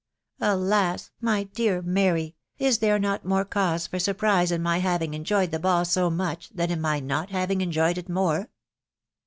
Alas ! my dear .Mary, is there not more cause for surprise in my having en joyed the ball so much, than in my not having enjoyed it more